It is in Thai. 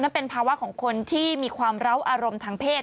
เป็นภาวะของคนที่มีความเล้าอารมณ์ทางเพศ